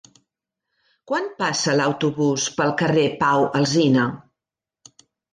Quan passa l'autobús pel carrer Pau Alsina?